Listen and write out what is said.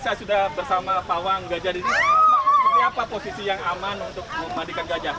saya sudah bersama pawang gajah ini seperti apa posisi yang aman untuk memandikan gajah